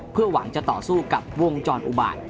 เพื่อหวังจะต่อสู้กับวงจรอุบาต